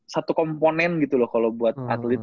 satu komponen gitu loh kalau buat atlet